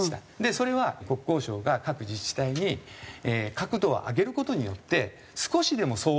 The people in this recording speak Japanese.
それは国交省が各自治体に角度を上げる事によって少しでも騒音を低減しますと。